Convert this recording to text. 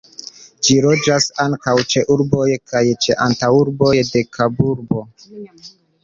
Ĝi loĝas ankaŭ ĉe urboj kaj ĉe antaŭurboj de Kaburbo.